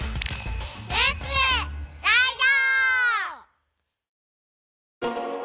レッツライド！